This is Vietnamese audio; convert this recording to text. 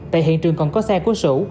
tại hiện trường còn có xe của sửu